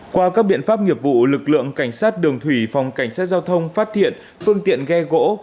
qua các biện pháp nghiệp vụ lực lượng cảnh sát đường thủy phòng cảnh sát giao thông phát hiện phương tiện ghe gỗ